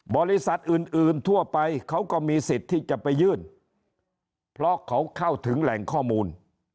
บริษัทอื่นอื่นทั่วไปเขาก็มีสิทธิ์ที่จะไปยื่นเพราะเขาเข้าถึงแหล่งข้อมูล